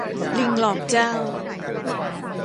ลิงหลอกเจ้า